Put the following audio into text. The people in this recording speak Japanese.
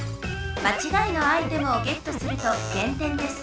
まちがいのアイテムをゲットすると減点です。